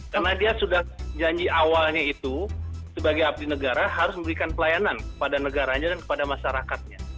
karena dia sudah janji awalnya itu sebagai abdi negara harus memberikan pelayanan kepada negaranya dan kepada masyarakatnya